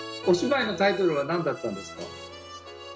お芝居のタイトルは何だったんですか？